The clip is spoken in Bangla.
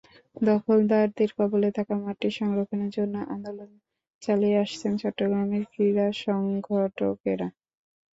দখলদারদের কবলে থাকা মাঠটি সংরক্ষণের জন্য আন্দোলন চালিয়ে আসছেন চট্টগ্রামের ক্রীড়া সংগঠকেরা।